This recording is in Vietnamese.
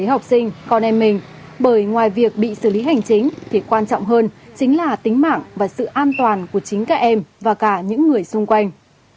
học sinh con em mình bởi ngoài việc bị xử lý hành chính thì quan trọng hơn chính là tính mạng và sự an toàn của chính các em và cả những người xung quanh